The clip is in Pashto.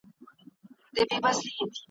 چي سودا کوې په څېر د بې عقلانو ,